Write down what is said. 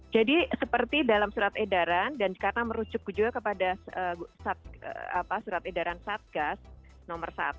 jadi seperti dalam surat edaran dan karena merucuk juga kepada surat edaran satgas nomor satu